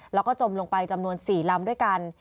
แล้วก็จมลงไปจำนวน๔ลำด้วยกัน